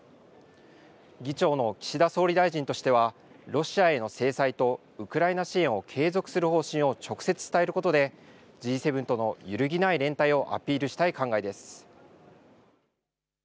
議長の岸田総理大臣としてはロシアへの制裁とウクライナ支援を継続する方針を直接伝えることでＧ７との揺るぎない連帯をアピールしたい考えです。